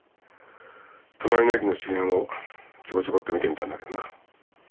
隣の駅の周辺をちょこちょこっと見てみたんだけどな。